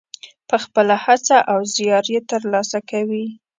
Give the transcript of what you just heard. په خپله هڅه او زیار یې ترلاسه کوي.